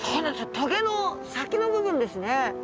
棘の先の部分ですね。